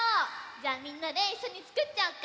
じゃあみんなでいっしょにつくっちゃおうか。